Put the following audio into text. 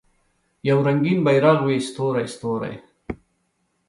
یو رنګین بیرغ وي ستوری، ستوری